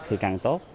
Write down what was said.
thì càng tốt